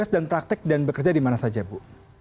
dan praktek dan bekerja di mana saja bu